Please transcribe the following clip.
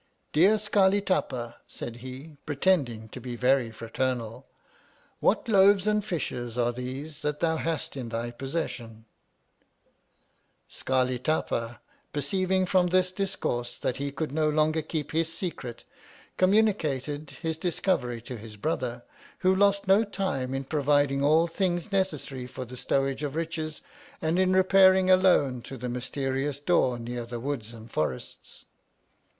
Dear Scarli Tapa, said he, pretending to be very fraternal, what loaves and fishes are these that thou hast in thy possession ! Scarli Tapa perceiving from this discoui se that he could no longer keep his secret, communicated his discovery to his brother, who lost no time in providing all things necessary for the stowage of riches, and in repairing alone to the mysterious door near the Woods and Forests.